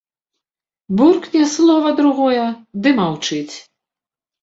Буркне слова, другое ды маўчыць.